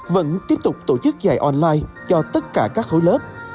vẫn tiếp tục tổ chức dạy online cho tất cả các khối lớp